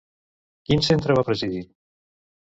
Quin centre va presidir?